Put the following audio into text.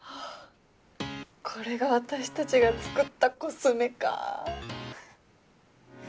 これが私たちが作ったコスメか。